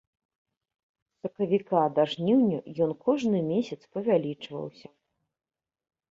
З сакавіка да жніўня ён кожны месяц павялічваўся.